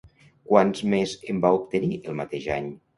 Quants més en va obtenir el mateix any?